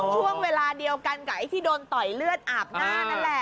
ช่วงเวลาเดียวกันกับไอ้ที่โดนต่อยเลือดอาบหน้านั่นแหละ